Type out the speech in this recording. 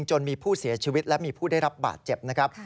จนมีผู้เสียชีวิตและมีผู้ได้รับบาดเจ็บนะครับ